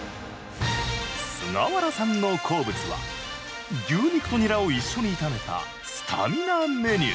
菅原さんの好物は牛肉とニラを一緒に炒めたスタミナメニュー。